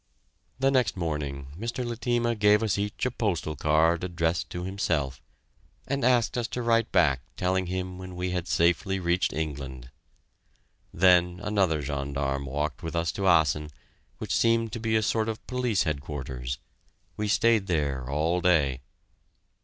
The next morning Mr. Letema gave us each a postal card addressed to himself, and asked us to write back telling him when we had safely reached England. Then another gendarme walked with us to Assen, which seemed to be a sort of police headquarters. We stayed there all day.